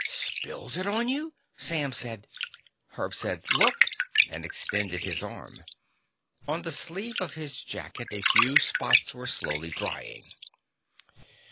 "Spills it on you?" Sam said. Herb said: "Look," and extended his arm. On the sleeve of his jacket a few spots were slowly drying.